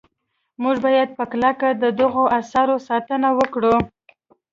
موږ باید په کلکه د دغو اثارو ساتنه وکړو.